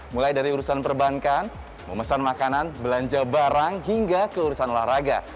mulai dari urusan perbankan memesan makanan belanja barang hingga keurusan olahraga